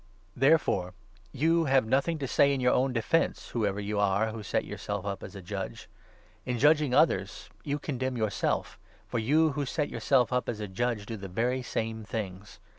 Therefore you have nothing to say in your own defence, i whoever you are who set yourself up as a judge. In judging others you condemn yourself, for you who set yourself up as a judge do the very same things.